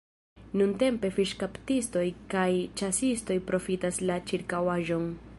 Nuntempe fiŝkaptistoj kaj ĉasistoj profitas la ĉirkaŭaĵon.